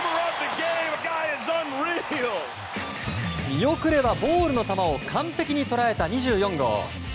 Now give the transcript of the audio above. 見送ればボールの球を完璧に捉えた２４号。